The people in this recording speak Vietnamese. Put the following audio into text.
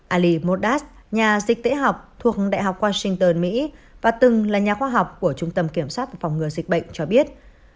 ali moddas nhà dịch tễ học thuộc đại học washington mỹ và từng là nhà khoa học của trung tâm kiểm soát phòng ngừa dịch bệnh cho biết